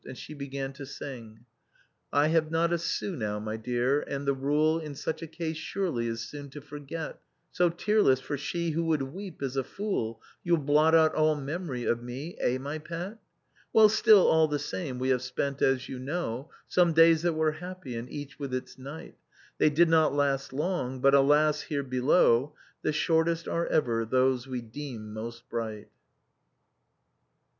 And she began to sing :" I have not a sou now, my dear, and the rule In such a case surely is soon to forget, So tearless, for she who would weep is a fool. You'll blot out all mem'ry of me, eh, my pet? "Well, still all the same we have spent as you know Some days that were happy — and each with its night; They did not last long, but, alas, here below. The shortest are ever those we deem moet bright."